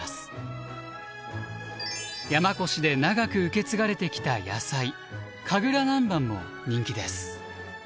山古志で長く受け継がれてきた野菜神楽南蛮も人気です。